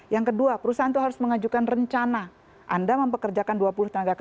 yang kedua perusahaan itu harus mengajukan rencana anda mempekerjakan dua puluh tenaga kerja ke asing oke namanya siapa